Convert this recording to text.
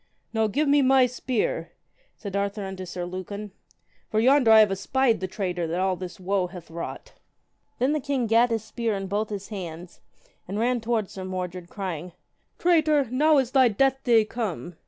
Now give me my spear, said Arthur unto Sir Lucan, for yonder I have espied the traitor that all this woe hath wrought. Then the king gat his spear in both his hands, and ran toward Sir Mordred, crying, Traitor, now is thy death day come.